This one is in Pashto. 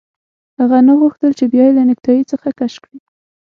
هغه نه غوښتل چې بیا یې له نیکټايي څخه کش کړي